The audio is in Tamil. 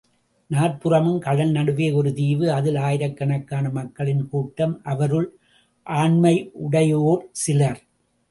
நாற்புறமும் கடல் நடுவே ஒரு தீவு அதில் ஆயிரக்கனக்கான மக்களின் கூட்டம் அவருள் ஆண்மையுடையோர் சிலர்.